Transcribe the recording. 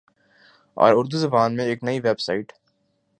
اور اردو زبان میں ایک نئی ویب سائٹ